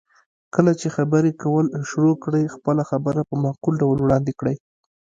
کله چې خبرې کول شروع کړئ، خپله خبره په معقول ډول وړاندې کړئ.